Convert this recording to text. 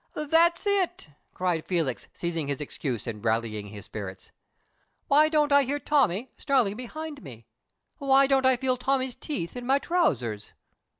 "That's it!" cried Felix, seizing his excuse, and rallying his spirits. "Why don't I hear Tommie snarling behind me; why don't I feel Tommie's teeth in my trousers?"